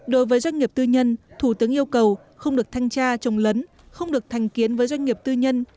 đối với doanh nghiệp tư nhân thủ tướng yêu cầu không được thanh tra trồng lấn không được thành kiến với doanh nghiệp tư nhân